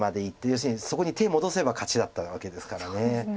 要するにそこに手戻せば勝ちだったわけですから。